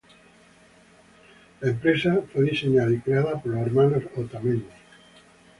La empresa fue diseñada y creada por los hermanos Otamendi.